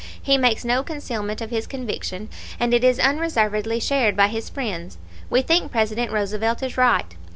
He makes no concealment of his conviction, and it is unreservedly shared by his friends. We think President Roosevelt is right.